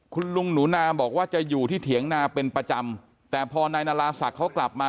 คุณลุงหนูนาบอกว่าจะอยู่ที่เถียงนาเป็นประจำแต่พอนายนาราศักดิ์เขากลับมา